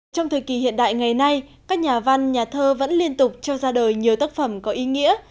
trong thời kỳ hiện đại ngày nay các nhà văn nhà thơ vẫn liên tục trao ra đời nhiều tác phẩm có ý nghĩa